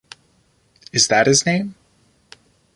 Is that his name?